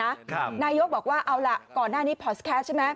นายกบอกว่าเอาล่ะก่อนหน้านี้พอสแคสต์ใช่ไหม